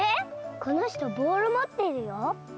この人ボールもってるよ？